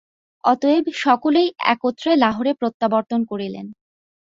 অতএব সকলেই একত্র লাহোরে প্রত্যাবর্তন করিলেন।